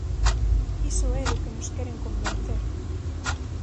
Iso é do que nos queren convencer.